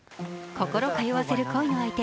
心を通わせる恋の相手